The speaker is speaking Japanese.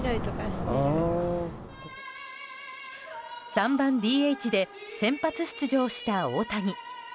３番ＤＨで先発出場した大谷。